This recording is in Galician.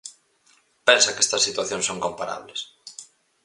Pensa que estas situacións son comparables?